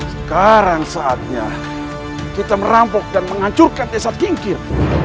sekarang saatnya kita merampok dan menghancurkan desa kingkir